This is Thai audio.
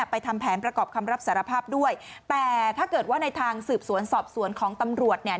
ทำแผนประกอบคำรับสารภาพด้วยแต่ถ้าเกิดว่าในทางสืบสวนสอบสวนของตำรวจเนี่ย